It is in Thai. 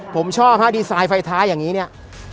ผมชอบฮะดีไซน์ไฟท้ายอย่างนี้เนี่ย